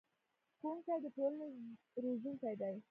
ښوونکي د ټولنې روزونکي دي